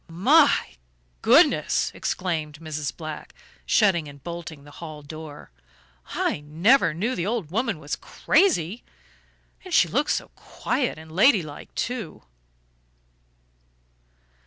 "My goodness," exclaimed Mrs. Black, shutting and bolting the hall door, "I never knew the old woman was crazy! And she looks so quiet and ladylike, too."